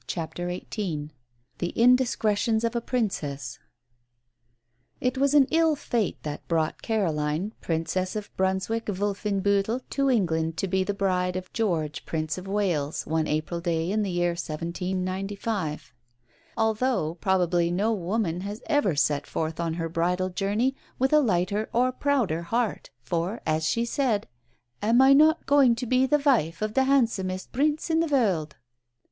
CHAPTER XVIII THE INDISCRETIONS OF A PRINCESS It was an ill fate that brought Caroline, Princess of Brunswick Wolfenbüttel to England to be the bride of George, Prince of Wales, one April day in the year 1795; although probably no woman has ever set forth on her bridal journey with a lighter or prouder heart, for, as she said, "Am I not going to be the wife of the handsomest Prince in the world?"